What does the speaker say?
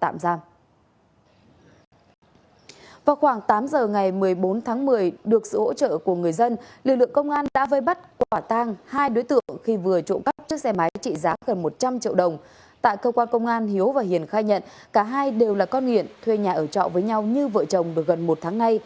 tại cơ quan công an hiếu và hiền khai nhận cả hai đều là con nguyện thuê nhà ở trọ với nhau như vợ chồng được gần một tháng nay